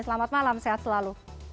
selamat malam sehat selalu